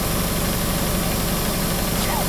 Reside en Vitoria.